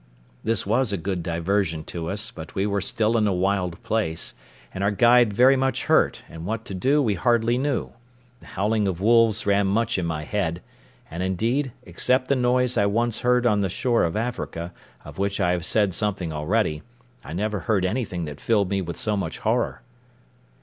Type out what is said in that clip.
This was a good diversion to us; but we were still in a wild place, and our guide very much hurt, and what to do we hardly knew; the howling of wolves ran much in my head; and, indeed, except the noise I once heard on the shore of Africa, of which I have said something already, I never heard anything that filled me with so much horror.